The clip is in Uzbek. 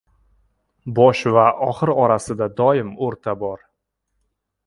• Bosh va oxir orasida doim o‘rta bor.